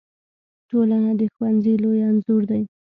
ټولنه د ښوونځي لوی انځور دی.